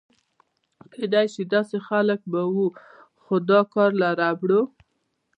کېدای شي داسې خلک به و، خو دا کار له ربړو.